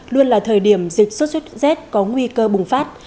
luôn là thời điểm dịch xuất xuất z có nguy cơ bùng phát